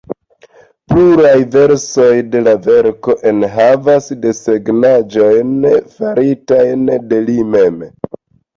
Pluraj versioj de la verko enhavas desegnaĵojn faritajn de li mem.